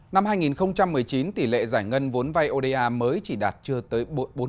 năm hai nghìn một mươi chín tỷ lệ giải ngân vốn vay oda mới chỉ đạt chưa tới bốn